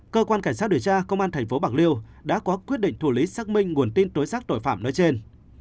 cơ quan cảnh sát điều tra công an thành phố bạc liêu đã có quyết định thủ lý xác minh nguồn tin tối sắc tội phạm nói trên